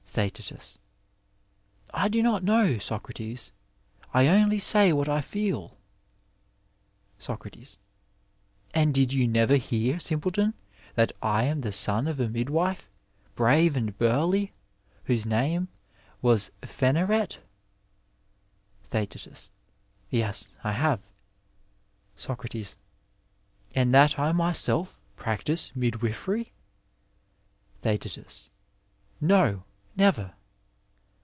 ThecBi. I do not know, Socrates ; I only say what I f eeL 8oc, And did you never hear, simpleton, that I am the son of a midwife, brave and buriy, whose name was Phsnarete ? ThecBt. Yes, I have. 8oc And that I myself practise midwifery ? Theast. No, never.